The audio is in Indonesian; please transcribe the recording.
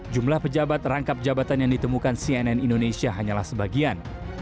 jumlah pejabat rangkap jabatan yang ditemukan cnn indonesia hanyalah sebagian